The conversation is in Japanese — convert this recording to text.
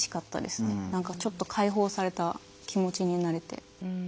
何かちょっと解放された気持ちになれて。